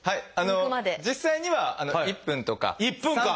実際には１分とか１分間！